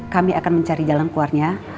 kami akan mencari jalan keluarnya